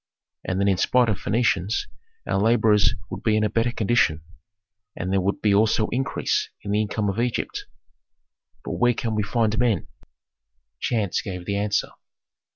And then in spite of Phœnicians our laborers would be in a better condition, and there would be also increase in the income of Egypt. But where can we find men?" Chance gave the answer.